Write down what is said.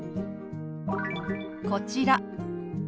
こちら。